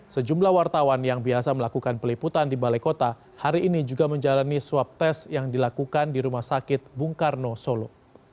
sejumlah wartawan yang biasa melakukan peliputan di balai kota hari ini juga menjalani swab test yang dilakukan di rumah sakit bung karno solo